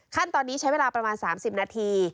ขั้นตอนนี้ใช้เวลาประมาณ๓๐นาที